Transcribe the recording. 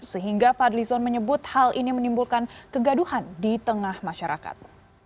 sehingga fadlizon menyebut hal ini menimbulkan kegaduhan di tengah masyarakat